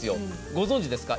ご存じですか？